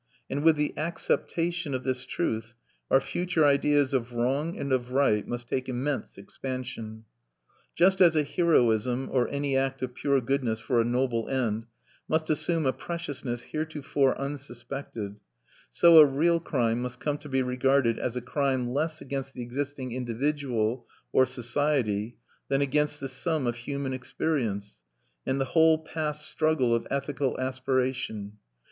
And with the acceptation of this truth, our future ideas of wrong and of right must take immense expansion. Just as a heroism, or any act of pure goodness for a noble end, must assume a preciousness heretofore unsuspected, so a real crime must come to be regarded as a crime less against the existing individual or society, than against the sum of human experience, and the whole past struggle of ethical aspiration.